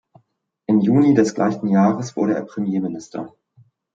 Im Juni des gleichen Jahres wurde er Premierminister.